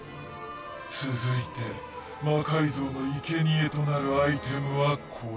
続いて魔改造のいけにえとなるアイテムはこれだ。